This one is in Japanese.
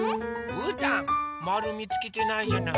うーたんまるみつけてないじゃない。